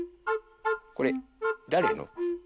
これだれの？